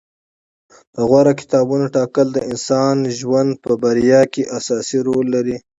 د غوره کتابونو ټاکل د انسان د ژوند په بریا کې اساسي رول لري.